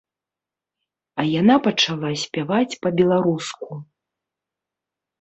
А яна пачала спяваць па-беларуску.